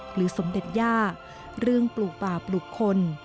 สมเด็จย่าเรื่องปลูกป่าปลูกคน